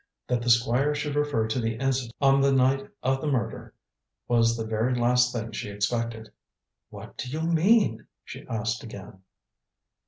That the Squire should refer to the incident on the night of the murder was the very last thing she expected. "What do you mean?" she asked again.